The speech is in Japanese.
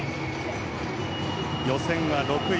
予選は６位。